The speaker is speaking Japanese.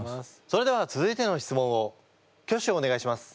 それでは続いての質問を挙手お願いします。